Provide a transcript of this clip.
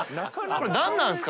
海何なんですか？